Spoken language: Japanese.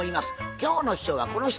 今日の秘書はこの人。